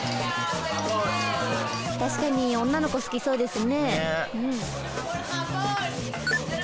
確かに女の子好きそうですね。